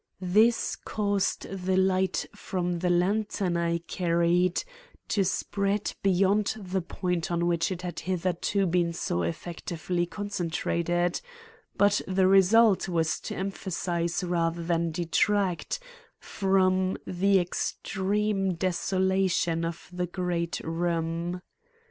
This caused the light from the lantern I carried to spread beyond the point on which it had hitherto been so effectively concentrated; but the result was to emphasize rather than detract from the extreme desolation of the great room.